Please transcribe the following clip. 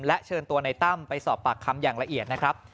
และเชิญตัวในตั้มไปสอบปากคำอย่างละเอียดนะครับ